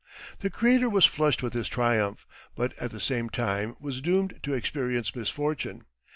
The creator was flushed with his triumph, but at the same time was doomed to experience misfortune.